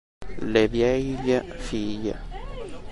La vieille fille